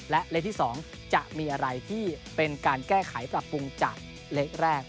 และเลขที่๒จะมีอะไรที่เป็นการแก้ไขปรับปรุงจากเลขแรก